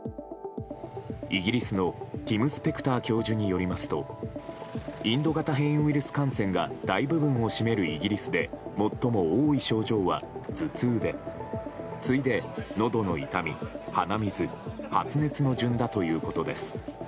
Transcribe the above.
イギリスのティム・スペクター教授によりますとインド型変異ウイルス感染が大部分を占めるイギリスで最も多い症状は頭痛で次いで、のどの痛み鼻水、発熱の順だということです。